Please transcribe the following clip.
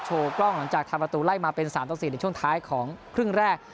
กล้องหลังจากทำประตูไล่มาเป็น๓ต่อ๔ในช่วงท้ายของครึ่งแรก